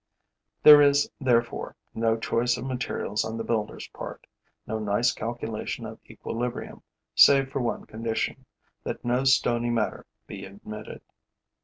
There is, therefore, no choice of materials on the builder's part, no nice calculation of equilibrium, save for one condition, that no stony matter be admitted.